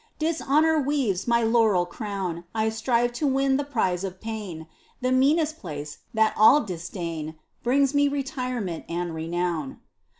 Dishonour weaves my laurel crown ; I strive to win the prize of pain — The meanest place, that all disdain, Brings me retirement and renown